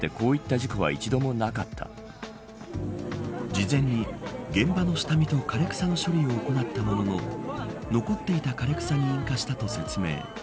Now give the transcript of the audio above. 事前に現場の下見と枯れ草の処理を行ったものの残っていた枯れ草に引火したと説明。